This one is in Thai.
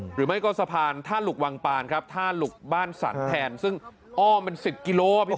หรือไม่ก็สะพานท่าหลุกวังปานครับท่าหลุกบ้านสัตว์แทนซึ่งอ้อเป็น๑๐กิโล